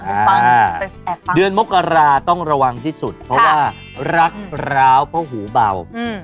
เดือนมกราต้องระวังที่สุดเพราะว่ารักร้าวเพราะหูเบา